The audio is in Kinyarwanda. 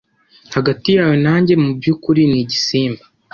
Hagati yawe nanjye, mubyukuri, ni igisimba.